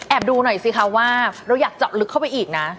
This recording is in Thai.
ดูหน่อยสิคะว่าเราอยากเจาะลึกเข้าไปอีกนะ